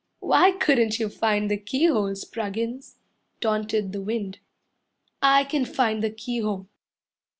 "Why couldn't you find the keyhole, Spruggins?" Taunted the wind. "I can find the keyhole."